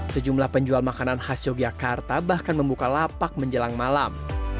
sejumlah penjual makanan khas yogyakarta bahkan membuka lapak menjelang malam